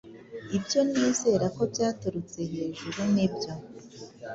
Ibyo nizera ko byaturute hejuru nibyo